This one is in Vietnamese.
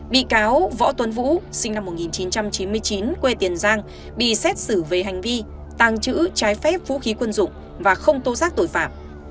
bị cáo võ tuấn vũ sinh năm một nghìn chín trăm chín mươi chín quê tiền giang bị xét xử về hành vi tàng trữ trái phép vũ khí quân dụng và không tô giác tội phạm